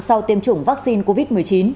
sau tiêm chủng vaccine covid một mươi chín